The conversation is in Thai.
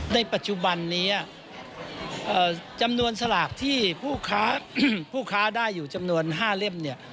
ในปัจจุบันนี้จำนวนสลากที่ผู้ค้าได้อยู่จำนวน๕เล่มเนี่ย